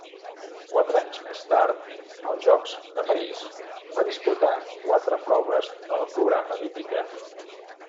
Quatre anys més tard, als Jocs de París, va disputar quatre proves del programa d'hípica.